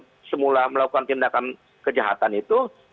yang semula melakukan tindakan kejahatan itu